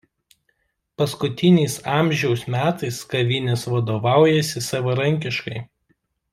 Paskutiniais amžiaus metais kavinės vadovaujasi savarankiškai.